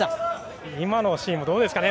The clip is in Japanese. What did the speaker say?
今のシーンはどうですかね。